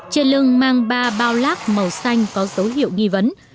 trên lưng mang ba bao lác màu xanh có dấu hiệu nghi vấn